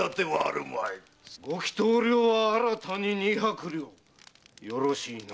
ご祈祷料は新たに二百両よろしいな？